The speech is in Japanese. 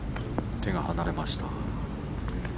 手が離れました。